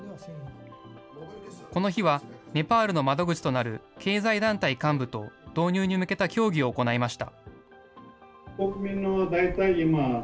この日はネパールの窓口となる経済団体幹部と、導入に向けた協議を行いました。